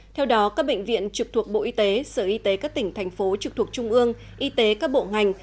theo đó các bệnh viện trực thuộc bộ y tế sở y tế các tỉnh thành phố trực thuộc trung ương y tế các bộ ngành